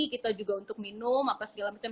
kita juga untuk minum apa segala macam